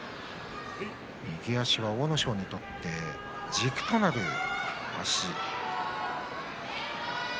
右足は阿武咲にとって軸となる足です。